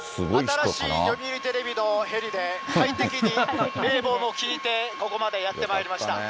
新しい読売テレビのヘリで、快適に冷房も効いて、ここまでやよかったね。